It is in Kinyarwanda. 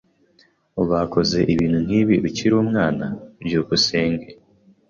Bakoze ibintu nkibi ukiri umwana? byukusenge